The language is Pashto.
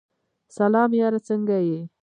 سلام یاره سنګه یی ؟